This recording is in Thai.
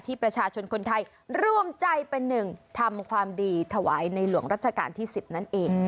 ประชาชนคนไทยร่วมใจเป็นหนึ่งทำความดีถวายในหลวงรัชกาลที่๑๐นั่นเอง